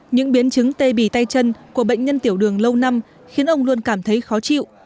những biến chứng tê bì tay chân của bệnh nhân tiểu đường lâu năm khiến ông luôn cảm thấy khó chịu